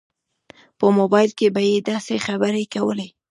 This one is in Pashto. په موبایل کې به یې داسې خبرې کولې.